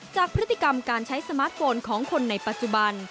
จากพฤติกรรมการใช้สมาร์ทโฟนของคนในปัจจุบัน